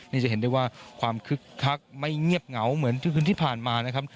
นี่จะเห็นได้ว่าความคึกคักไม่เงียบเหงาเหมือนทุกคืนที่ผ่านมานะครับ